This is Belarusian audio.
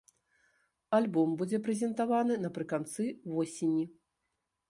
Альбом будзе прэзентаваны напрыканцы восені.